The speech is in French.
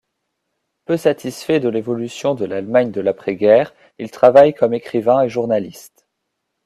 Peu satisfait de l'évolution de l'Allemagne de l'après-guerre, il travaille comme écrivain et journaliste.